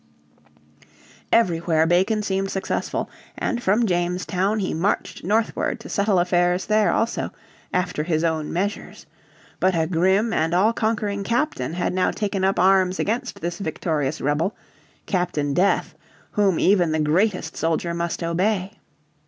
Everywhere Bacon seemed successful, and from Jamestown he marched northward to settle affairs there also "after his own measures." But a grim and all conquering captain had now taken up arms against this victorious rebel Captain Death, whom even the greatest soldier must obey.